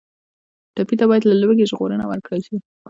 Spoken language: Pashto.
ټپي ته باید له لوږې ژغورنه ورکړل شي.